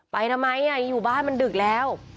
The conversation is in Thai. ไปนะไม่อย่างนี้อยู่บ้านมันดึกแล้ว